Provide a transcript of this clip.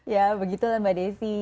ya begitu mbak desi